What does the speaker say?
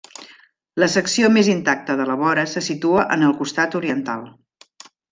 La secció més intacta de la vora se situa en el costat oriental.